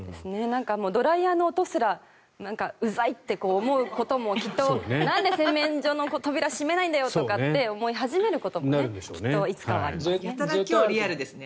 ドライヤーの音すらうざいって思うこともきっと、なんで洗面所の扉閉めないんだよってことを思い始めることもきっといつかはありますね。